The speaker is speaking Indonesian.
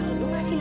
lo tahu rasikonya